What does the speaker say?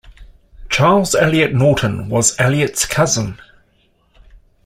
Charles Eliot Norton was Eliot's cousin.